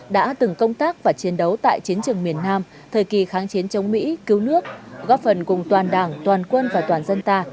đã từng công tác và chiến đấu tại chiến trường miền nam thời kỳ kháng chiến chống mỹ cứu nước góp phần cùng toàn đảng toàn quân và toàn dân ta